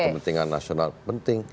kementingan nasional penting